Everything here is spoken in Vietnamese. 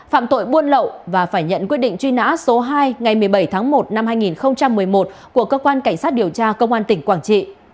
phạm tội buôn lậu và phải nhận quyết định truy nã số hai ngày một mươi bảy tháng một năm hai nghìn một mươi một của cơ quan cảnh sát điều tra công an tỉnh quảng trị